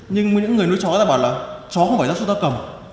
nhưng những người nuôi chó đã bảo là chó không phải da súc da cầm